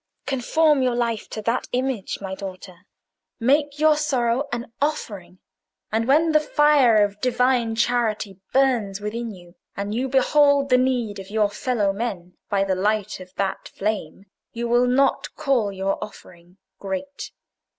"Conform your life to that image, my daughter; make your sorrow an offering: and when the fire of Divine charity burns within you, and you behold the need of your fellow men by the light of that flame, you will not call your offering great.